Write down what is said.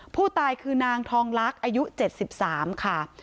ผู้ตายคือนางทองลักษณ์อายุ๗๓ค่ะ